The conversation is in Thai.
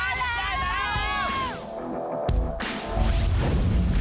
ได้เนี้ย